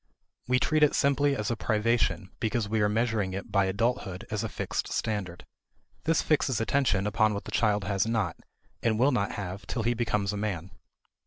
We treat it simply as a privation because we are measuring it by adulthood as a fixed standard. This fixes attention upon what the child has not, and will not have till he becomes a man.